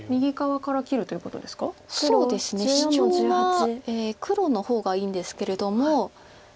シチョウは黒の方がいいんですけれども。